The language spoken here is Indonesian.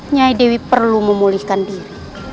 nyai dewi perlu memulihkan diri